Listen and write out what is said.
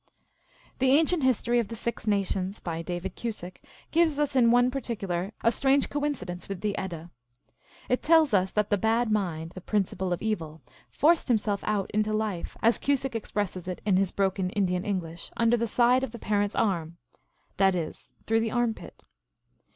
The Ancient History of the Six Nations, by David Cusick, gives us in one particular a strange coinci dence with the Edda. It tells us that the Bad Mind, the principle of Evil, forced himself out into life, as Cusick expresses it in his broken Indian English, " under the side of the parent s arm ;" that is, through the armpit.